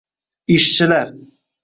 ishchilar